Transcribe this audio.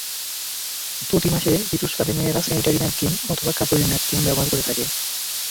প্রতি মাসে ঋতুস্রাবে মেয়েরা স্যানিটারি ন্যাপকিন অথবা কাপড়ের ন্যাপকিন ব্যবহার করে থাকে।